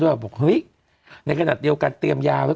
เพื่อไม่ให้เชื้อมันกระจายหรือว่าขยายตัวเพิ่มมากขึ้น